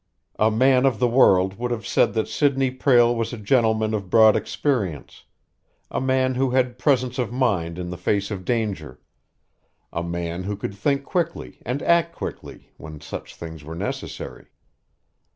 A man of the world would have said that Sidney Prale was a gentleman of broad experience, a man who had presence of mind in the face of danger, a man who could think quickly and act quickly when such things were necessary.